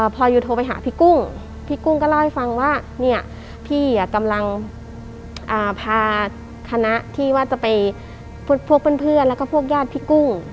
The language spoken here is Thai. พอยูโทรไปหาพี่กุ้งพี่กุ้งก็เล่าให้ฟังว่าเนี่ยพี่กำลังพาคณะที่ว่าจะไปพวกเพื่อนแล้วก็พวกญาติพี่กุ้ง